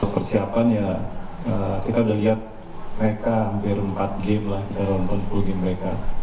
persiapan ya kita udah lihat mereka hampir empat game lah kita nonton full game mereka